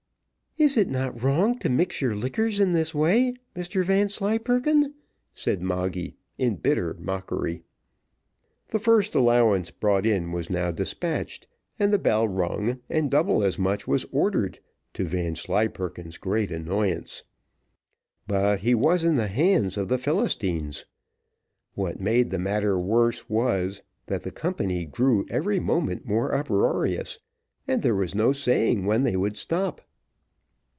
"Is it not wrong to mix your liquors in this way, Mr Vanslyperken?" said Moggy, in bitter mockery. The first allowance brought in was now despatched, and the bell rung, and double as much more ordered, to Vanslyperken's great annoyance; but he was in the hands of the Philistines. What made the matter worse, was, that the company grew every moment more uproarious, and there was no saying when they would stop.